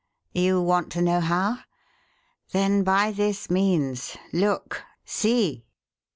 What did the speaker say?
You want to know how? Then by this means look! See!"